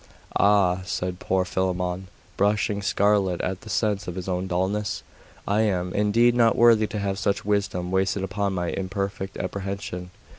'Ah!' said poor Philammon, blushing scarlet at the sense of his own dulness, 'I am, indeed, not worthy to have such wisdom wasted upon my imperfect apprehension....